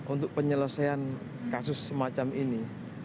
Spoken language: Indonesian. untuk penyelesaian kasus semacam ini